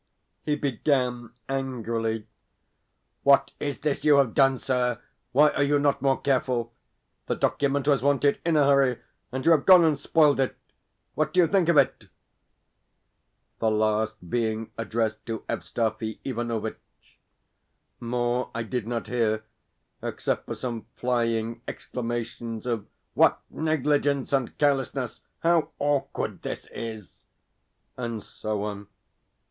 He began angrily: "What is this you have done, sir? Why are you not more careful? The document was wanted in a hurry, and you have gone and spoiled it. What do you think of it?" the last being addressed to Evstafi Ivanovitch. More I did not hear, except for some flying exclamations of "What negligence and carelessness! How awkward this is!" and so on.